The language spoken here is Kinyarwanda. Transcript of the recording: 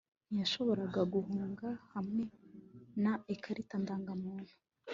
ntiyashoboraga guhunga hamwe na ikarita ndangamuntu